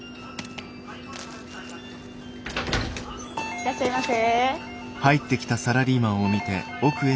いらっしゃいませ。